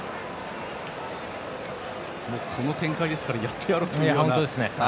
この展開ですからやってやろうというような。